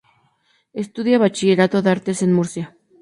Estudia bachillerato de Artes en Murcia.